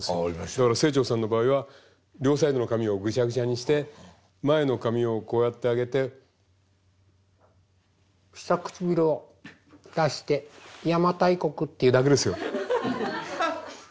だから清張さんの場合は両サイドの髪をぐちゃぐちゃにして前の髪をこうやって上げて下唇を出して「邪馬台国」って言うだけですよ。